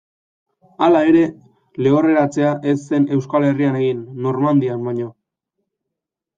Hala ere, lehorreratzea ez zen Euskal Herrian egin Normandian baino.